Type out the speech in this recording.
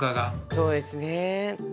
そうですね。